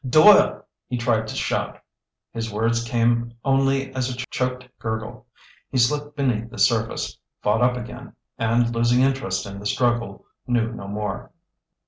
"Doyle!" he tried to shout. His words came only as a choked gurgle. He slipped beneath the surface, fought up again, and losing interest in the struggle, knew no more.